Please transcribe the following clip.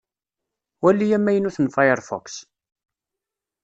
Wali amaynut n Firefox.